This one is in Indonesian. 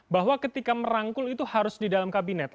bahwa ketika merangkul itu harus di dalam kabinet